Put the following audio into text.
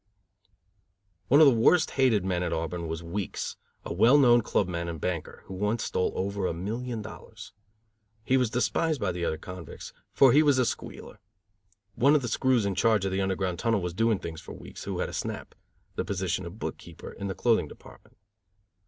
One of the worst hated men at Auburn was Weeks, a well known club man and banker, who once stole over a million dollars. He was despised by the other convicts, for he was a "squealer." One of the screws in charge of the Underground Tunnel was doing things for Weeks, who had a snap, the position of book keeper, in the clothing department.